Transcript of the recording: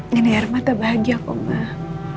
ngini arma tak bahagia komah